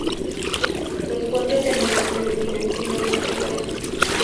Los cuatro tendones se denominan tendones perforantes.